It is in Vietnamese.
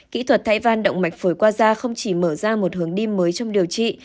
kỹ thuật thay van động mạch phổi qua da không chỉ mở ra một hướng đi mới trong điều trị